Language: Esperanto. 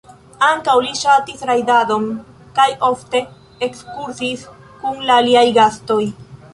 Ankaŭ li ŝatis rajdadon kaj ofte ekskursis kun la aliaj gastoj.